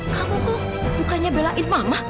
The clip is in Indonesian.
kamu kok bukannya belain mama